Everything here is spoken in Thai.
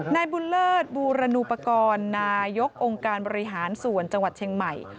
นายบุญเลิศบูรณูปกรณ์นายกองค์การบริหารส่วนจังหวัดเชียงใหม่